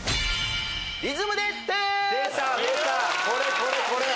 これこれこれ！